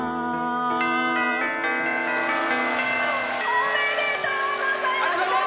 おめでとうございます。